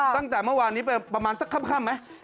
ตั้งแต่เมื่อวานนี้ไปประมาณสักค่ำไหม